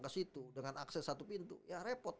ke situ dengan akses satu pintu ya repot